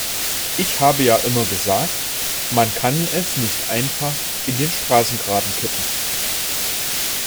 Ich habe ja immer gesagt, man kann es nicht einfach in den Straßengraben kippen.